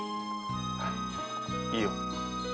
いいよ。